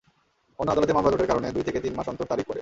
অন্য আদালতে মামলাজটের কারণে দুই থেকে তিন মাস অন্তর তারিখ পড়ে।